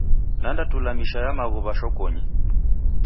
Nanda tula misha ya maghuw'a shokonyi.